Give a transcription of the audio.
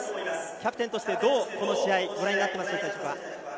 キャプテンとして、どうこの試合ご覧になっていましたか。